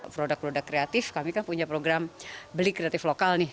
produk produk kreatif kami kan punya program beli kreatif lokal nih